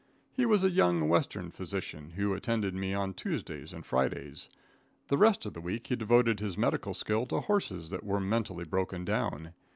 He was a young western physician, who attended me on Tuesdays and Fridays. The rest of the week he devoted his medical skill to horses that were mentally broken down.